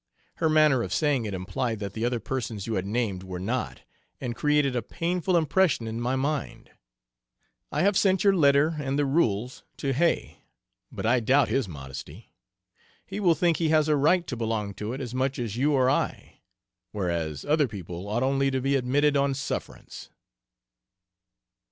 Her manner of saying it implied that the other persons you had named were not, and created a painful impression in my mind. I have sent your letter and the rules to Hay, but I doubt his modesty. He will think he has a right to belong to it as much as you or I; whereas, other people ought only to be admitted on sufferance."